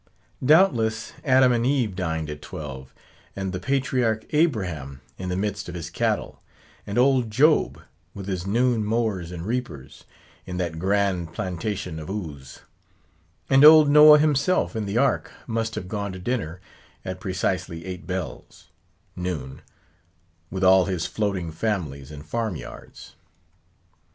Doubtless, Adam and Eve dined at twelve; and the Patriarch Abraham in the midst of his cattle; and old Job with his noon mowers and reapers, in that grand plantation of Uz; and old Noah himself, in the Ark, must have gone to dinner at precisely eight bells (noon), with all his floating families and farm yards.